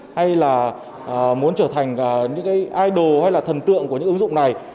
hay là muốn trở thành những cái idol hay là thần tượng của những ứng dụng này